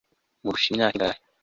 murusha imyaka ingahe